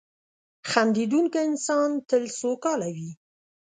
• خندېدونکی انسان تل سوکاله وي.